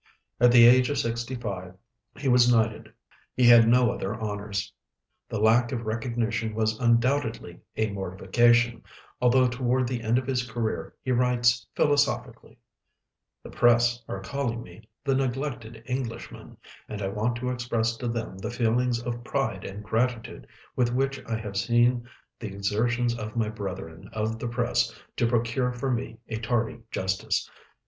At the age of sixty five he was knighted. He had no other honors. This lack of recognition was undoubtedly a mortification, although toward the end of his career he writes philosophically: "The press are calling me 'the neglected Englishman,' and I want to express to them the feelings of pride and gratitude with which I have seen the exertions of my brethren of the press to procure for me a tardy justice.